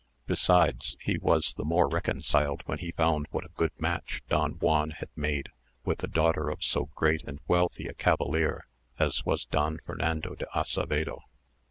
Besides, he was the more reconciled when he found what a good match Don Juan had made with the daughter of so great and wealthy a cavalier as was Don Fernando de Acevedo.